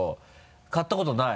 買ったことない？